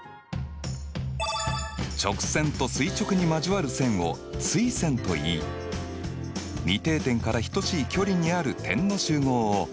直線と垂直に交わる線を垂線といい２定点から等しい距離にある点の集合を垂直二等分線といいます。